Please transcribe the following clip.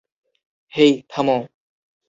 হেই, থামো।